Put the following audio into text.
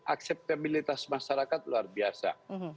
akseptabilitas masyarakat luar biasa